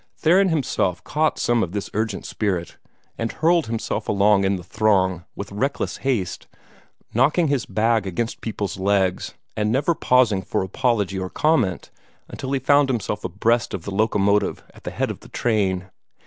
Theron himself caught some of this urgent spirit, and hurled himself along in the throng with reckless haste, knocking his bag against peoples' legs, but never pausing for apology or comment until he found himself abreast of the locomotive at the head of the train.